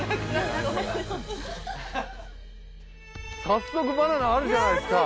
早速バナナあるじゃないですか！